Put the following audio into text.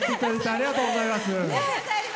ありがとうございます。